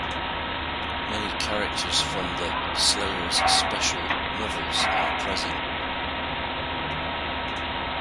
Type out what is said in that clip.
Many characters from the "Slayers Special" novels are present.